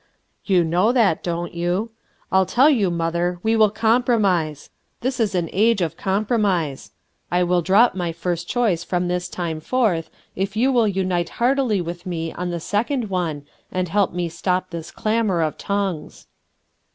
You know that, don't you? I'll tell you, mother, we will compromise; this Ls an age of compromise. I will drop my first choice 32 RUTH ERSKINE'S SOX from this time forth if you will unite heartily with me on the second one and help me stop this clamor of tongues."